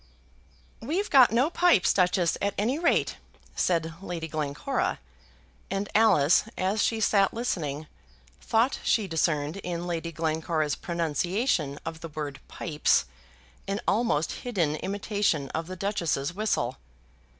"We've got no pipes, Duchess, at any rate," said Lady Glencora; and Alice, as she sat listening, thought she discerned in Lady Glencora's pronunciation of the word pipes an almost hidden imitation of the Duchess's whistle.